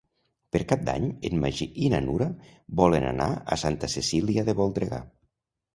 Per Cap d'Any en Magí i na Nura volen anar a Santa Cecília de Voltregà.